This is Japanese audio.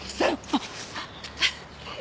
あっ！